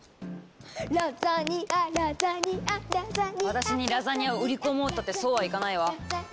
私にラザニアを売り込もうったってそうはいかないわ。